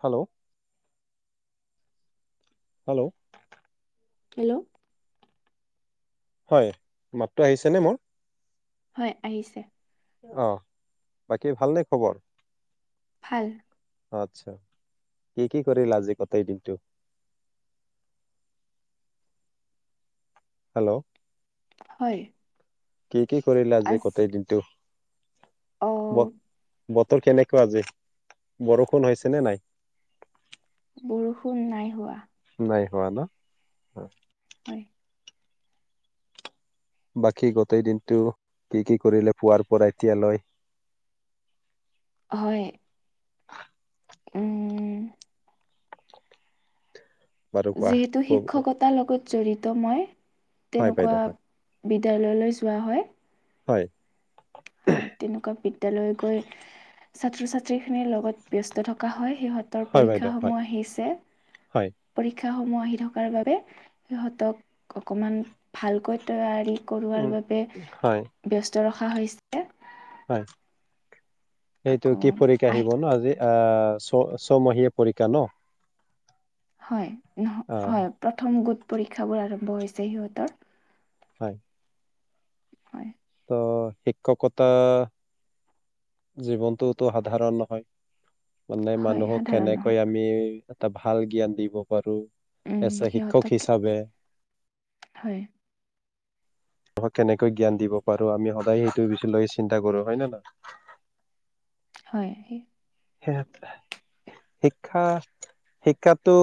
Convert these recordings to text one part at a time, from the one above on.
Hello. Hello. Hello. হয় মাতটো আহিছে নে মোৰ? হয় আহিছে। আহ বাকী ভালনে খবৰ? ভাল। আচ্ছা কি কি কৰিলা আজি গোটেই দিনটো? হেল্ল'। হয়। কি- কি কৰিলা আজি আজ গোটেই দিনটো? অ ব বতৰ কেনেকোৱা আজি, বৰষূণ হৈছে নে নাই? বৰষূণ নাই হোৱা। নাই হোৱা ন? অ হয়। বাকী গোটেই দিনটো কি কি কৰিলে পুৱাৰ পৰা এতিয়া লৈ? হয়। উম। বাৰু কোৱা যিহেতু শিক্ষকতাৰ লগত- জড়িত মই- হয় তেনেকোৱা বাইদেউ হয় বিদ্যালয়লৈ যোৱা হয়। হয়। হয় তেনেকুৱা বিদ্যালয় গৈ ছাত্ৰ ছাত্ৰীখিনিৰ লগত ব্যস্ত থকা হয়। সিহঁতৰ হয় পৰীক্ষা বাইদেউ হয় সমূহ আহিছে। পৰি হয় পৰীক্ষাসমূহ আহি থকাৰ বাবেজ সিহঁতক অকণমান, ভালকৈ তৈয়াৰী। কৰোৱাৰ উম বাবে হয় ব্যস্ত ৰখা হৈছে। হয়। সেইটো আকৌ কি পৰীক্ষা আহি আহিব ন আজি। অ, ছ ছমহীয়া পৰীক্ষা ন। হয়, অ হয় প্ৰথম গোট। পৰীক্ষাবোৰ আৰম্ভ হৈছে সিহঁতৰ। হয়। হয়। ত শিক্ষকতা। জীৱনটোতো সাধাৰণ নহয়। মানে হয় মানুহক সাধাৰণ কেনেকৈ নহয় আমি। এটা ভাল জ্ঞান দিব পাৰো। উম আছে শিক্ষক সিহঁতক হিচাপে। হয়। কেনেকৈ জ্ঞান দিব পাৰো আমি সদায় সেইটো বিষয়কে চিন্তা কৰো হয় নে ন। হয় স। সেই। শিক্ষা, শিক্ষাটো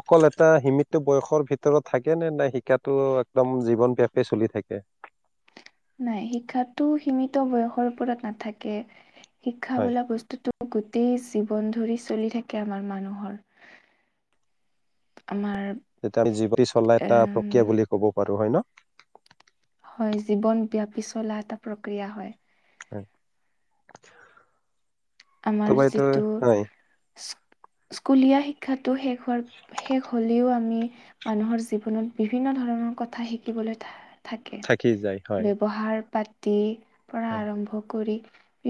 অকল এটা সীমিত বয়সৰ ভিতৰত থাকে নে নাই শিক্ষাটো একদম জীৱনব্যাপি চলি থাকে। নাই, শিক্ষা সীমিত বয়সৰ ওপৰত নাথাকে। শিক্ষা হয় বোলা বস্তুতটো গোটেই। বন ধৰি চলি থাকে আমাৰ মানুহৰ। আমাৰ তেতিয়া আমি জীৱ চলা এটা এম প্ৰক্ৰিয়া বুলি ক'ব। হয় ন। হয় জীৱন বিয়াপি চলা এটা প্ৰক্ৰিয়া হয়। হয়। আমাৰ তোমাইটো যিটো হাই। স্কুলীয়া শিক্ষাটো শেষ হোৱাৰ শেষ হলেও আমি মানুহৰ জীৱনত বিভিন্ন ধৰণৰ কথা শিকিবলৈক থাকে, থাকি যায় হয় ব্যৱহাৰ পাতি। তে। পঢ়া হয় আৰম্ভ কৰি।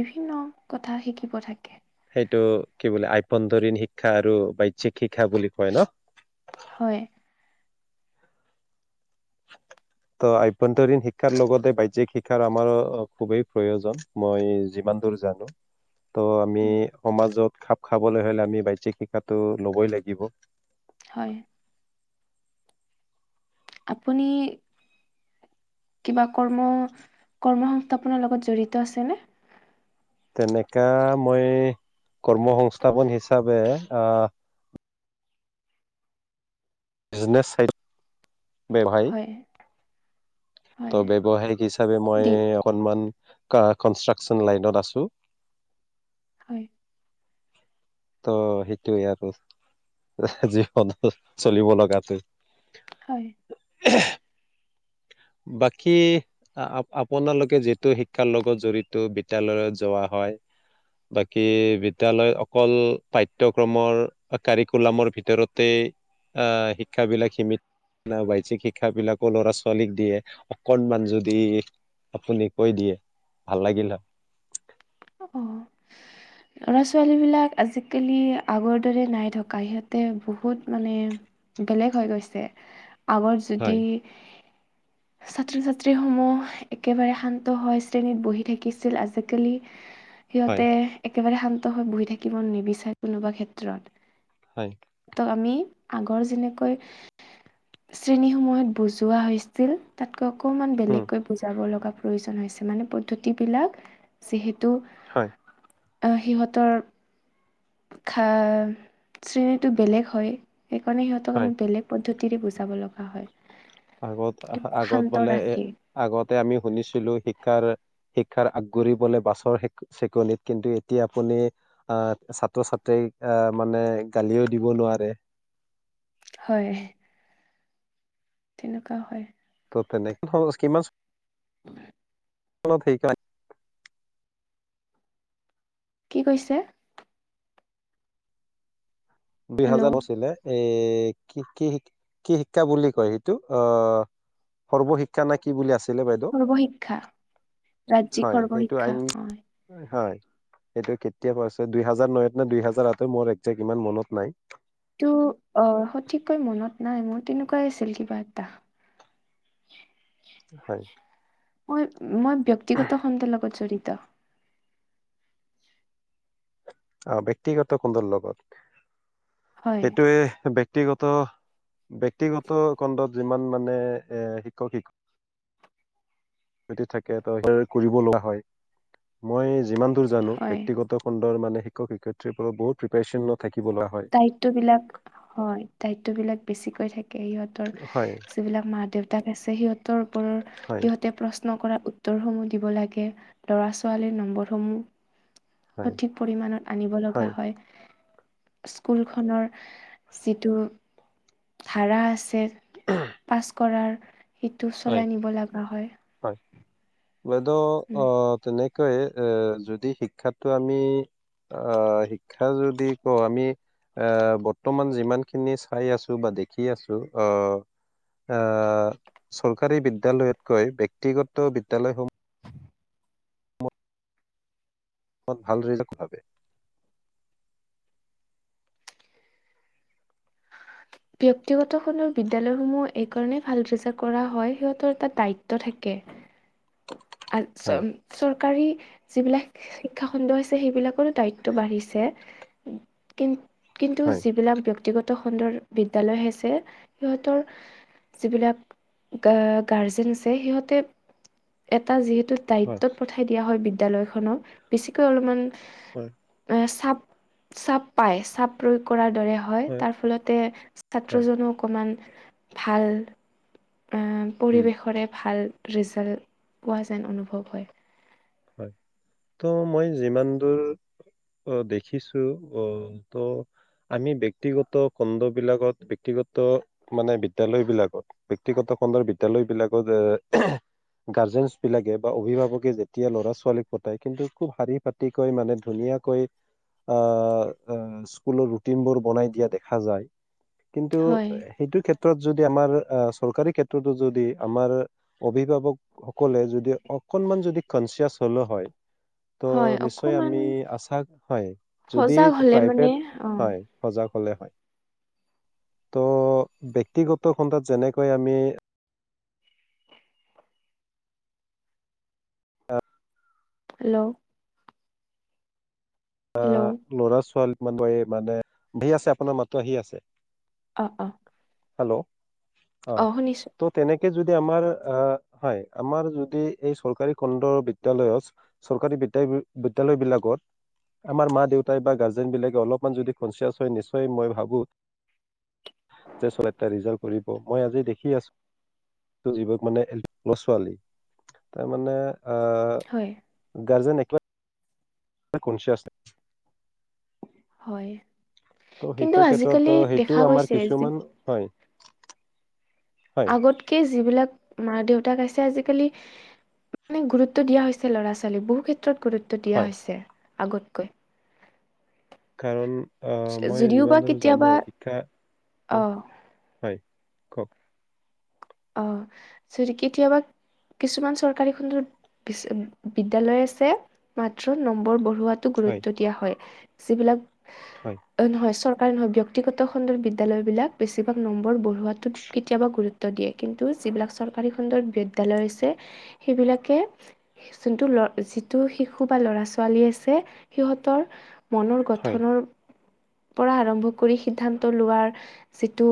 বিভিন্ন কথা, শিকি। থাকিব থাকে। এইটো কি বোলে আভ্যয়ন্তৰীণ শিক্ষা আৰু বাহ্যিক শিক্ষা বুলি কয় ন হয় ত আভ্যন্তৰীণ শিক্ষাৰ লগতে বাহ্যিক শিক্ষাৰ আমাৰো খুবেই প্ৰয়োজন মই যিমান দূৰ জানো। ত' আমি সমাজত খাপ খাবলৈ হ'লে আমি বাহ্যিক শিক্ষাতো ল'বই লাগিব হয়। আপুনি? কিবা কৰ্ম -কৰ্মসস্থাপনৰ লগত জড়িত আছেনে? তেনেকা মই কৰ্ম সংস্থাপন হিচাপে আহ বিজনেছ চাইড হয় বৱসায়িক হয় ত' বৱসায়িক হিচাপে মই দি অকনমান কা কনষ্ট্ৰাক্সন লাইনত আছো। হয়। ত' সেইটোৱে আৰু জীৱনটোত চলিব লগাটো। হয়। বাকী আ -আপোনালোকে যিহেটো শিক্ষাৰ লগত জড়িত বিদ্যালয়ত যোৱা হয় বাকী বিদ্যলয়ত অকল পাঠ্যক্ৰমৰ কাৰিকুলামৰ ভিতৰতে আহ শিক্ষাবিলাক সীমিত নব বাহ্যিক শিক্ষাবিলাকো ল'ৰা -ছোৱালীক দিয়ে অকনমান যদি আপুনি কৈ দিয়ে ভাল লাগিল হয়। অহ, লৰা -ছোৱালী বিলাক আজিকালি আগৰ দৰে নাই থকা সিহঁতে বহুত মানে বেলেগ হৈ গৈছে। আগৰ যুদি হয় ছাত্ৰ -ছাত্ৰীসমূহ একেবাৰে শান্ত হৈ শ্ৰেণীত বহি থাকিছিল আজিকালি হয় হয় সিহঁতে এক একেবাৰে শান্ত হৈ বহি থাকিব নিবিচাৰে কোনোবা ক্ষেত্ৰত। হয় ত' আমি আগৰ যেনেকৈ শ্ৰেণীসমূহত বুজোৱা হৈছিল তাত কৈ অকণমান উম বেলেগকৈ বুজাব লগা প্ৰয়োজন হৈছে মানে পদ্ধতি বিলাক যিহেত টো, হয় আহ, সিহঁতৰ খা শ্ৰেণীটো বেলেগ হয়। সেইকাৰণে সিহঁতক হয় আমি বেলেগ পদ্ধতি তিৰি বুজাব লগা হয়। আগত আহ আগত শান্ত বোলে এ' ৰাখি আগত তে আমি শুনিছিলো শিক্ষাৰ -শিক্ষাৰ আগুৰিবলে বাছৰ চেকনিত কিন্তু এতিয়া আপুনি আহ ছাত্ৰ -ছাত্ৰীক আহ মানে গালিও দিব নোৱাৰে। হয়। তেনেকুৱা হয়। [unintelligible] [inaudible] [unintelligible] কি কৈছে? দুই হাজাৰ হেল্ল' নাছিলে? এ' কি- কি -কি শিক্ষা বুলি কয় সেইটো অ' সৰ্বশিক্ষা নে কি বুলি আছে। সৰ্বশিক্ষা ৰাজ্যিক হয় সেইটো আইন সৰ্বশিক্ষা হয়। হয় সেইটো কেতিয়া পৰা হৈছে দুই হাজাৰ নয়ত নে দুই হাজাৰ আঠৰ মোৰ একজেক্ট ইমান মনত নাই। টো অহ সঠিককৈ মনত নাই মোৰ তেনেকুৱাই আছিল কিবা এটা। হয়। মই-মই ব্যক্তিগত খণ্ডৰ লগত জড়িত। অহ ব্যক্তিগত খণ্ডৰ লগত? হয় সেইটোয়ে ব্যক্তিগত-ব্যক্তিগত খণ্ডত যিমান মানে এ শিক্ষক শিক্ষ থাকে ত সেই কৰিব লগা হয়। মই যিমান দূৰ জানো হয়। ব্যক্তিগত খণ্ডৰ মানে শিক্ষক-শিক্ষয়িত্ৰী সকলক বহুত প্ৰিপ্ৰেচন দায়িত্ব বিলাক হয়, দায়িত্ব বিলাক বেছি কৈ থাক সিহঁতৰ হয় যিবিলাক মা দেউতাক আছে সিহঁতৰ ওপৰৰ হয় সিহঁতে প্ৰ নকৰা উত্তৰ সমূহ দিব লাগে লৰা ছোৱালী নম্বৰ সমূহ। হয় সঠিক পৰিমাণত আনিব লগা হয়। স্কুলখনৰ যিটো ধাৰা আছে। পাছ কৰাৰ সেইটো চলাই হয় নিব লগা হয়। বাইদেউ উম। অ তেনে কয় এ যদি শিক্ষাতটো আমি আহ শিক্ষা যদি কওঁ আমি এ বৰ্তমান যিমানখিনি চাই আছো বা দেখি আছো আহ আহ চৰকাৰী বিদ্যালয়তকৈ ব্যক্তিগত বিদ্যালয়সমূহ মত ভাল ৰিজাল্ট ব্যক্তিগতখনৰ বিদ্যলয়সমূহ এই কাৰণে ভাল ৰিজাল্ট কৰা হয় সিহঁতৰ এটা দায়িত্ব থাকে। আ চ হয় চৰকাৰী যিবিলাক শিক্ষা খণ্ড আছে সেইবিলাকৰো দায়িত্ব বাঢ়িছে। কিন্তু কিন্তু হয় যিবিলাক ব্যক্তিগত খণ্ডৰ বিদ্যালয় আছে, সিহঁতৰ যিবিলাক গাৰ্জেন আছে সিহঁতে এটা যিহেতু হয় দায়িত্বত পঠাই দিয়া হয় বি বিদ্যালয়খনত বেছিকৈ অলপমান হয়। চাপ-চাপ পাই, চাপ প্ৰয়োগ কৰা দৰে হয় তাৰ ফলতে হয় ছাত্ৰজনো অকমান ভাল। এ, উম পৰিৱেশৰে ভাল। ৰিজাল্ট পোৱা যেন অনুভৱ হয়। হয়, ত' মই যিমান দূৰ দেখিছো অ, ত আমি ব্যক্তিগত খণ্ড বিলাকত, ব্যক্তিগত মানে বিদ্যালয় বিলাকত, ব্যক্তিগত খণ্ডৰ বিদ্যালয় বিলাকত এ গাৰ্জেনছ বিলাকে বা অভিভাৱকে যে এতিয়া ল'ৰা ছোৱালীক পতাই কিন্তু খুব শাৰী পাতি কৈ মানে ধুনীয়াকৈ, আহ স্কুলৰ ৰুটিন বোৰ বনাই দিয়া দেখা যায়। কিন্তু হয়, সেইটো ক্ষে যদি আমাৰ চৰকাৰী ক্ষেত্ৰতো যদি আমাৰ অভিভাৱকসকলে যদি অকণমান যদি কনচিয়াছ হ'লো হয় ত' হয় নিশ্চয় অকমান আমি আছা হয়, যদি সজাগ হ'লে মানে প্ৰাইভেট অ', হয়, সজাগ হলে হয়, ত' ব্যক্তিগত খণ্ডত যেনেকৈ আমি অ হেল্ল'। হেল্ল', আহ ল'ৰা ছোৱালী মান ব এই মানে ভি আছে আপোনাৰ মাতো আহি আছে। অ অ। হেল্ল'। অ, ত তেনে তে যদি আমাৰ আহ হয়, আমাৰ যদি এই চৰকাৰী খণ্ড বিদ্যালয়ত চৰকাৰী বিদ্যা বিদ্যালয় বিলাকত আমাৰ মা দেউতাই বা গাৰ্জেন বিলাকে অলপমান যদি কনচিয়াচ হয় নিশ্চয় মই ভাবো, যে চ এটা ৰিজাল্ট কৰিব মই আজি দেখি আছো মানে লৰা ছোৱালী তাৰ মানে অ, হয়। গাৰ্জেন ত কনচিয়ছ হয়। ত' কিন্তু সেইটো আজিকালি ক্ষেত্ৰত সেইটো দেখা আমাৰ গৈছে যি কিছুমান, হয়। হয় আগতকে যিবিলাক মা দেউতাক আছে আজিকালি মানে গুৰুত্ব দিয়া হৈছে ল'ৰা ছোৱালীক বহু ক্ষে ত গুৰুত্ব দিয়া হয় হৈছে। আগতকৈ কাৰণ আহ, মই যদিও বা যিমান দোৰ কেতিয়াবা জানো শিক্ষা, অ', হয়। কওক। অ চৰি, কেতিয়াবা কিছুমান চৰকাৰী খণ্ড বিদ্যালয় আছে মাত্ৰ নম্বৰ বহুত ৱাতো হয় গুৰুত্ব দিয়া হয় যিবিলাক হয় অ নহয় চৰ কাৰণ ব্যক্তিগত খণ্ডৰ বিদ্যালয়বিলাক বেছিভাগ নম্বৰ বঢ়োৱাটোত কেতিয়াবা গুৰুত্ব দিয়ে। কিন্তু যিবিলাক চৰকাৰী খণ্ডত বিদ্যালয় আছে, সেইবিলাকে যোনটো ল যিটো শিশু বা ল'ৰা ছোৱালী আছে সিহঁতৰ মনৰ হয় গঠনৰ পৰা আৰম্ভ কৰি সিদ্ধান্ত লোৱা যিটো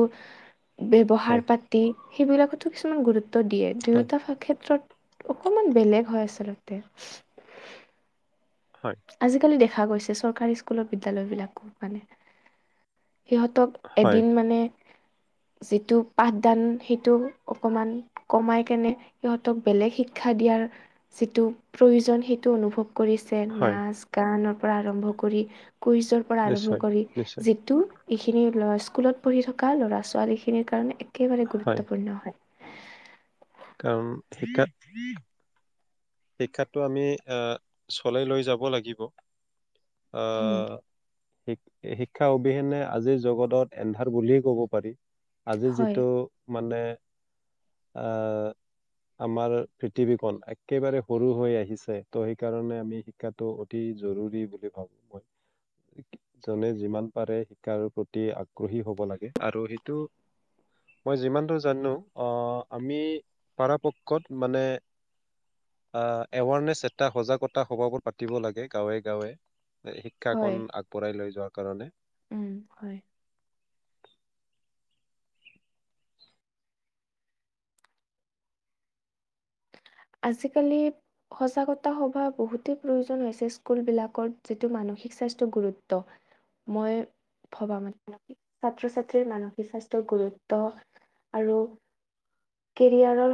ব্যৱহাৰ হয় পাতি সেইবিলাকতো কিছমান গুৰুত্ব। দিয়ে হয় দুয়োটা ভ ক্ষেত্ৰত। অকমান বেলেগ হয় আচলতে! হয় আজিকালি দেখ খা গৈছে চৰকাৰী স্কুলৰ বিদ্যালয়বিলাকো মানে। সিহঁতক হয় এদিন মানে। যিটো পাঠদান, সেইটো অকমান কমাই কেনে, সিহঁতক বেলেগ শিক্ষা দিয়াৰ যিটো প্ৰয়োজন, সেইটো অনুভৱ কৰি। হয় নাচ, গানত। পৰা আৰম্ভ কৰি। কুইজৰ পৰা আৰম্ভ নিশ্চয় কৰি, নিশ্চয় যিটো এইখিনি স্কুলত পঢ়ি থকা ল'ৰা-ছোৱালীখিনিৰ কাৰণে একেবাৰে হয় গুৰুত্বপূৰ্ণ হয়। কাৰণ শিক্ষা। শিক্ষাতটো আমি, এ চলাই লৈ যাব লাগিব। আ হম। সেই শিক্ষা অবিহনে আজিৰ জগতত এন্ধাৰ বুলিয়ে ক'ব পাৰি। আজি হয় যিটো, মানে। আ, আমাৰ পৃথিৱীখন এক। একেবাৰে সৰু হৈ আহিছে। ত' সেইকাৰণে আমি শিকাটো অতি জৰুৰী বুলি ভাবো মই। যুনে যিমান পাৰে শিকাৰ প্ৰতি আগ্ৰহী হ'ব লাগে। আৰু সেইটো মই যিমানটো জানো, আমি পৰাপক্ষত মানে। আ এৱাৰনেছ এটা, সজাগতা সভাবোৰ পাতিব লাগে গাঁৱে গাঁৱে। হয় শিক্ষাকণ আগবঢ়াই লৈ যোৱাৰ কাৰণে। উম হয় [inaudible] আজিকালি, সজাগতা সভা বহুতেই প্ৰয়োজন হৈছে স্কুলবিলাকত যিটো মানসিক স্বাস্থ্যৰ গুৰুত্ব। মই ভবা মান ছাত্ৰ-ছাত্ৰীৰ মানসিক স্বাস্থ্যৰ গুৰুত্ব আৰু কেৰিয়াৰৰ।